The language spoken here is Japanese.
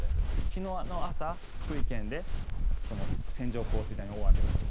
昨日の朝、福井県でその線状降水帯の大雨